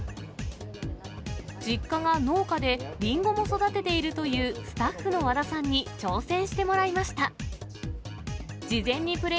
実家が農家で、りんごも育てているというスタッフの和田さんに挑戦してもらいました。